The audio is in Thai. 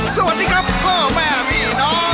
สวัสดีครับพ่อแม่พี่น้อง